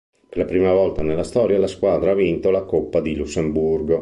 Per la prima volta nella storia la squadra ha vinto la Coppa di Lussemburgo.